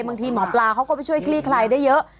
บางทีหมอปลาเขาก็ไปช่วยคลีกใครได้เยอะ